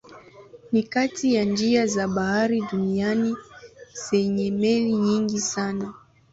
Ni kati ya njia za bahari duniani zenye meli nyingi sana.